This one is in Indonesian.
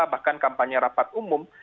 bahkan kampanye rapat umum